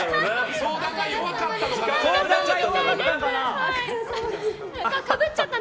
相談が弱かったのかな？